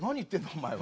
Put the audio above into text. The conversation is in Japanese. お前は。